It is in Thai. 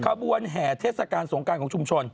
ขบวนแห่เทศกาลสงการของชุมชน